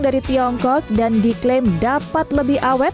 ketika diklaim lebih awet